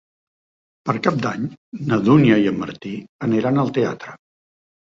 Per Cap d'Any na Dúnia i en Martí aniran al teatre.